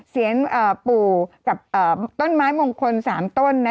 ปู่กับต้นไม้มงคล๓ต้นนะ